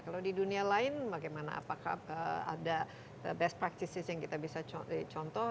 kalau di dunia lain bagaimana apakah ada best practices yang kita bisa contoh